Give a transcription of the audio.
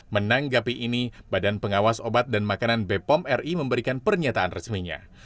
menanggapi ini badan pengawas obat dan makanan bepom ri memberikan pernyataan resminya